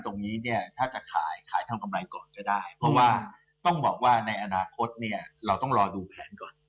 ตรงนี้เนี่ยถ้าจะขายขายทำกำไรก่อนก็ได้เพราะว่าต้องบอกว่าในอนาคตเนี่ยเราต้องรอดูแผนก่อน